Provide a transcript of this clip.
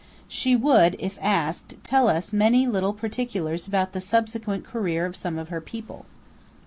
She would, if asked, tell us many little particulars about the subsequent career of some of her people.